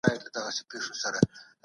سياسي هڅي د منابعو پر شتون ولاړي دي.